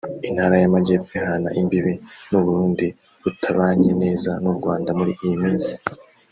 Intara y’Amajyepfo ihana imbibi n’u Burundi butabanye neza n’u Rwanda muri iyi minsi